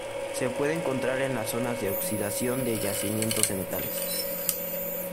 Se puede encontrar en las zonas de oxidación de los yacimientos de metales.